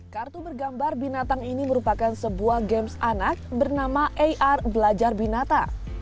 kartu bergambar binatang ini merupakan sebuah games anak bernama ar belajar binata